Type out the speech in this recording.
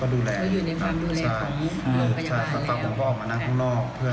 ก็อยู่ในฝั่งดุแลของพยาบาลแล้ว